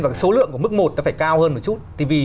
và số lượng của mức một nó phải cao hơn một chút